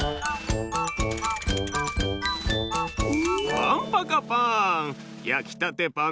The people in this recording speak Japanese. パンパカパーン！